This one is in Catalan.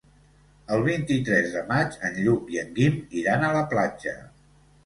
El vint-i-tres de maig en Lluc i en Guim iran a la platja.